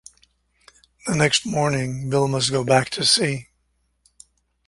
The next morning Bill must go back to sea.